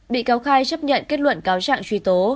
bị cáo khai chấp nhận kết luận cáo trạng truy tố